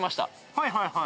はいはいはい。